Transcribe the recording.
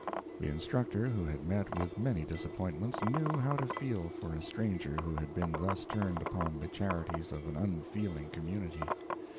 The instructor, who had met with many disappointments, knew how to feel for a stranger who had been thus turned upon the charities of an unfeeling community.